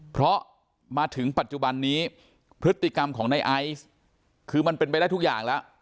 เพราะมาถึงปัจจุบันนี้พฤติกรรมของในไอซ์คือมันเป็นไปได้ทุกอย่างแล้ว